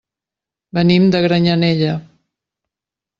Venim de Granyanella.